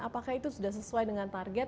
apakah itu sudah sesuai dengan target